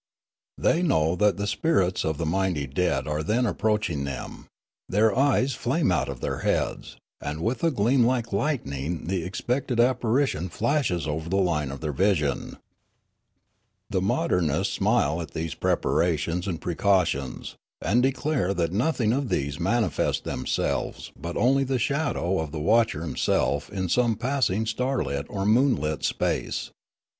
The}' know that the spirits of the might}' dead are then approaching them ; their eyes flame out of their heads; and with a gleam like lightning the expected apparition flashes over the line of their vision. '' The modernists smile at these preparations and pre cautions, and declare that nothing of these manifest themselves, but only the shadow of the watcher him self in some passing starlit or moonlit space.